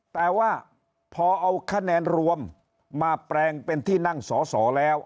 แต่ว่าพอเอาคะแนนรวมมาแปลงเป็นที่นั่งสอสอแล้ว